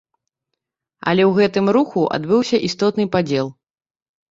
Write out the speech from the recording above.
Але ў гэтым руху адбыўся істотны падзел.